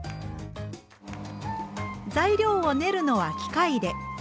材料を練るのは機械で。